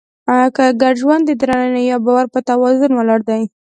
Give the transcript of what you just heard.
ګډ ژوند د درناوي او باور په توازن ولاړ دی.